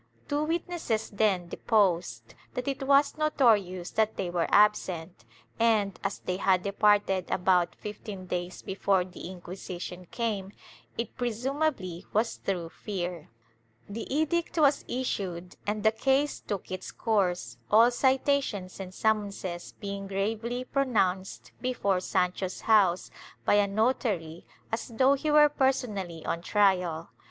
Two witnesses then deposed that it was notorious that they were absent and, as they had departed about fifteen days before the Inquisition came, it * Instrucciones dc 1484, g 19 (Arguello, fol. 7). gg THE TRIAL [Book VI presumably was through fear. The edict was issued and the case took its course, all citations and summonses being gravely pro nounced before Sancho's house by a notary as though he were personally on trial.